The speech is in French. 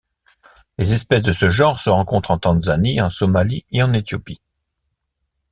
Les espèces de ce genre se rencontrent en Tanzanie, en Somalie et en Éthiopie.